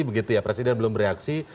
begitu ya presiden belum bereaksi